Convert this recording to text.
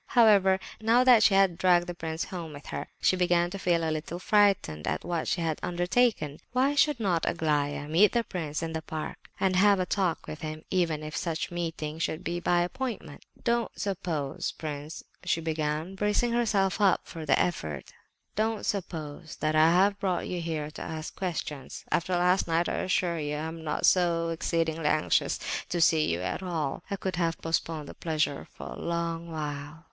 However, now that she had dragged the prince home with her, she began to feel a little frightened at what she had undertaken. Why should not Aglaya meet the prince in the park and have a talk with him, even if such a meeting should be by appointment? "Don't suppose, prince," she began, bracing herself up for the effort, "don't suppose that I have brought you here to ask questions. After last night, I assure you, I am not so exceedingly anxious to see you at all; I could have postponed the pleasure for a long while."